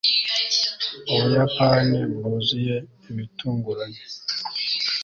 ubuyapani bwuzuye ibitunguranye